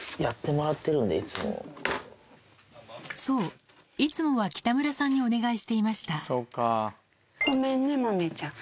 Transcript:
そういつもは北村さんにお願いしていましたごめんね豆ちゃん。